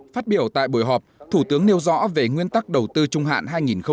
phát biểu tại buổi họp thủ tướng nêu rõ về nguyên tắc đầu tư trung hạn hai nghìn một mươi một hai nghìn hai mươi